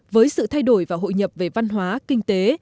với sự thay đổi và hội nhập về văn hóa kinh tế